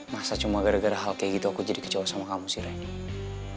masa cuma gara gara hal kayak gitu aku jadi kecewa sama kamu sih ready